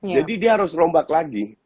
jadi dia harus rombak lagi